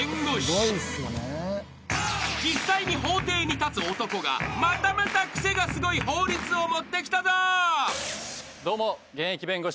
［実際に法廷に立つ男がまたまたクセがスゴい法律を持ってきたぞ］